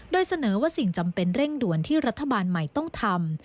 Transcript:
โดยเสนอว่าสิ่งจำเป็นเร่งด่วนที่รัฐบาลใหม่ต้องทำ